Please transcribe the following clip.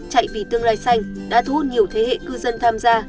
chạy vì tương lai xanh đã thu hút nhiều thế hệ cư dân tham gia